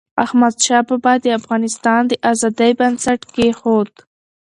احمدشاه بابا د افغانستان د ازادی بنسټ کېښود.